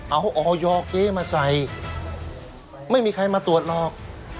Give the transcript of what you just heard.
เอาออยเก๊มาใส่ไม่มีใครมาตรวจหรอก